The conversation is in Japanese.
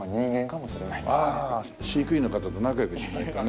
飼育員の方と仲良くしないとね。